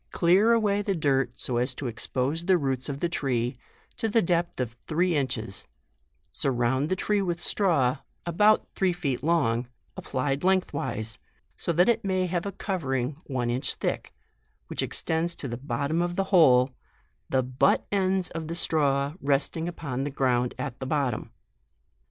141 olear away the dirt so as to expose the roots of the tree, to the depth of three inches; surround the tree with straw, about three feet long, applied lengthwise, so that it may have a covering one inch thick, which extends to the bottom of the hole, the but ends of the straw resting upon the ground at the bottom.